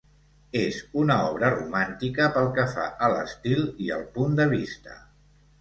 És una obra romàntica pel que fa a l'estil i el punt de vista.